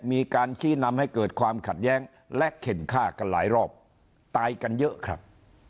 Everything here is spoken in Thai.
มีการชี้นำให้เกิดความขัดแย้งและเข็นฆ่ากันหลายรอบตายกันเยอะครับ